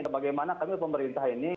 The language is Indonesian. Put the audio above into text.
bagaimana kami pemerintah ini